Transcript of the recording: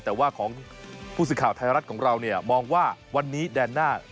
แต่ว่าของผู้สื่อข่าวไทยรัฐของเราเนี่ยมองว่าวันนี้แดนหน้า